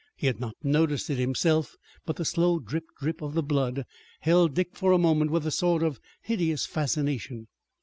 He had not noticed it himself, but the slow drip, drip of the blood held Dick for a moment with a sort of hideous fascination.